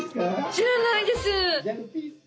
「知らないです！」。